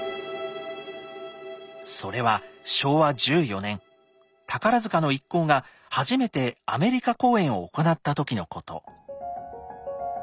それは昭和１４年宝の一行が初めてアメリカ公演を行った時のこと。